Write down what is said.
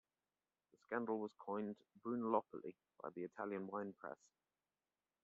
The scandal was coined "Brunellopoli" by the Italian wine press.